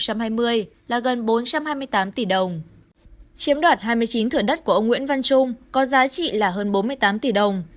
chiếm đoạt hai mươi chín thửa đất của ông nguyễn văn trung có giá trị là hơn bốn mươi tám tỷ đồng